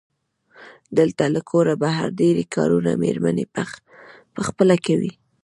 دلته له کوره بهر ډېری کارونه مېرمنې پخپله کوي.